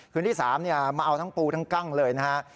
คืนที่๓มาเอาทั้งปูทั้งกั้งเลยนะฮะ